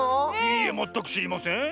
いいえまったくしりません。